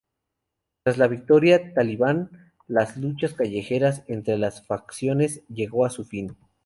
Tras la victoria talibán, las luchas callejeras entre las facciones llegó a su fin.